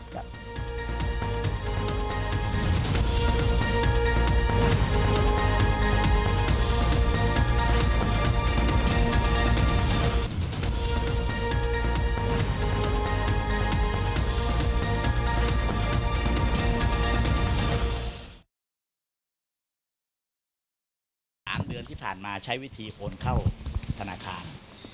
๓เดือนที่ผ่านมาใช้วิธีโอนเข้าธนาคาร